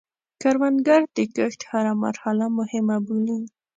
کروندګر د کښت هره مرحله مهمه بولي